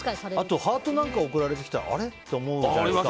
あとハートなんか送られてきたらあれ？って思うじゃないですか。